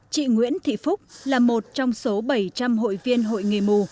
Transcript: chị nguyễn thị phúc là một trong số bảy trăm linh hội viên hội nghề mù